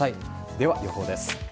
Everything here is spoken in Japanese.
では予報です。